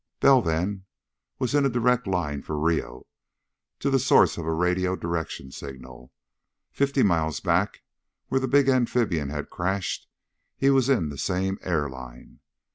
Bell, then, was in a direct line from Rio to the source of a radio direction signal. Fifty miles back, where the big amphibian had crashed, he was in the same air line.